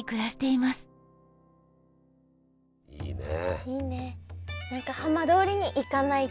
いいね。